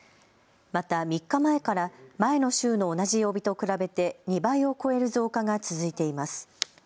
また、３日前から前の週の同じ曜日と比べて２倍を超える増加が続いています。